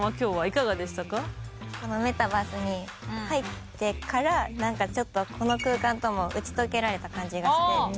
このメタバースに入ってからちょっとこの空間とも打ち解けられた感じがして。